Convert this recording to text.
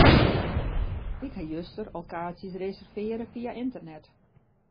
Ik ha juster al kaartsjes reservearre fia ynternet.